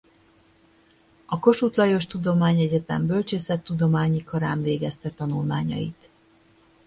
A Kossuth Lajos Tudományegyetem Bölcsészettudományi Karán végezte tanulmányait.